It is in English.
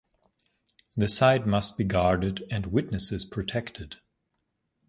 The site must be guarded and witnesses protected.